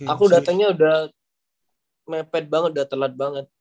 aku datangnya udah mepet banget udah telat banget